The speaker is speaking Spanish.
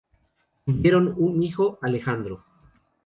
Tuvieron un hijo, Alejandro.